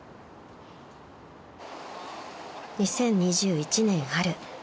［２０２１年春］